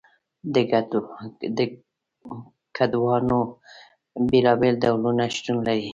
د کدوانو بیلابیل ډولونه شتون لري.